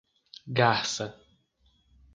Garça